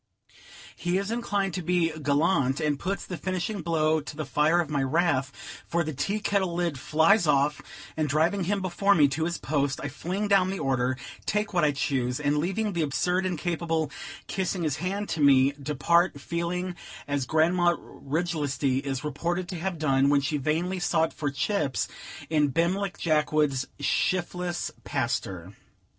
He is inclined to be gallant, and puts the finishing blow to the fire of my wrath; for the tea kettle lid flies off, and driving him before me to his post, I fling down the order, take what I choose; and, leaving the absurd incapable kissing his hand to me, depart, feeling as Grandma Riglesty is reported to have done, when she vainly sought for chips, in Bimleck Jackwood's "shifless paster."